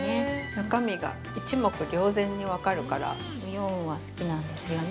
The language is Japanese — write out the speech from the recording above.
中身が一目瞭然に分かるからウ・ヨンウは好きなんですよね。